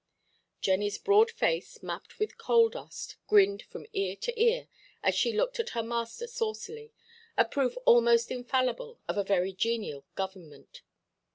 Jennyʼs broad face, mapped with coal–dust, grinned from ear to ear, as she looked at her master saucily—a proof almost infallible of a very genial government.